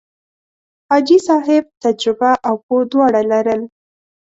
حاجي صاحب تجربه او پوه دواړه لرل.